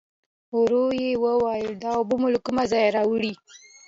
ورو يې وویل: دا اوبه مو له کوم ځايه راوړې؟